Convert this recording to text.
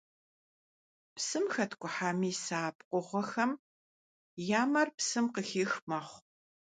Псым хэткӀухьа мис а пкъыгъуэхэм я мэр псым къыхих мэхъу.